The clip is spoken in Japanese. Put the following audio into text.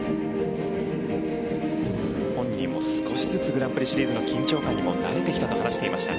本人も少しずつグランプリシリーズの緊張感にも慣れてきたと話しました。